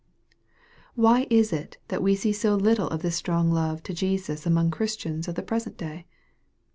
Why is it that we see so little of this strong love to Jesus among Christians of the present day